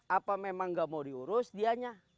apa memang gak mau diurus dianya